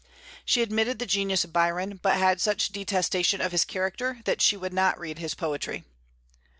She admitted the genius of Byron, but had such detestation of his character that she would not read his poetry.